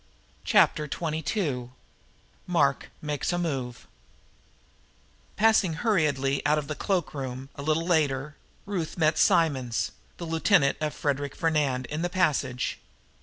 Chapter Twenty two Mark Makes a Move Passing hurriedly out of the cloakroom, a little later, Ruth met Simonds, the lieutenant of Frederic Fernand, in the passage.